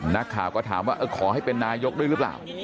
นักข่าวก็ถามว่าขอให้เป็นนายกด้วยหรือเปล่า